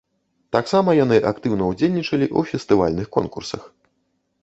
Таксама яны актыўна удзельнічалі ў фэстывальных конкурсах.